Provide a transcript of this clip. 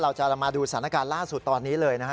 เราจะมาดูสถานการณ์ล่าสุดตอนนี้เลยนะฮะ